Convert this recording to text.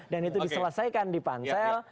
dan itu diselesaikan di pansel